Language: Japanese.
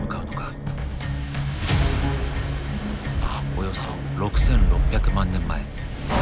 およそ６，６００万年前。